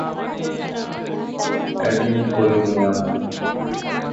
Agent করে নে আমায়।